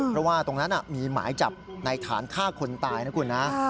เพราะว่าตรงนั้นมีหมายจับในฐานฆ่าคนตายนะคุณนะ